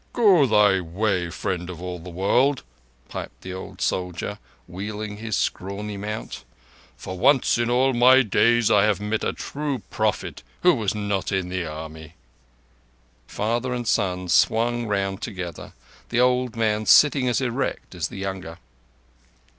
"Go thy way, Friend of all the World," piped the old soldier, wheeling his scrawny mount. "For once in all my days I have met a true prophet—who was not in the Army." Father and son swung round together: the old man sitting as erect as the younger.